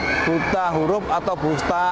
menjadi buta huruf atau busta aksara